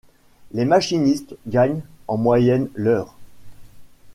Les machinistes gagnent en moyenne l’heure.